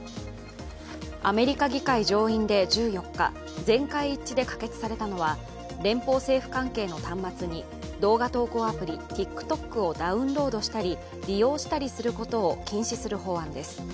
アメリカ議会上院で１４日、全会一致で可決されたのは連邦政府関係の端末に動画投稿アプリＴｉｋＴｏｋをダウンロードしたり、利用したりすることを禁止する法案です。